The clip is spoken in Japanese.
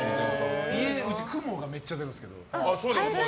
うち、クモがめっちゃ出るんですけど。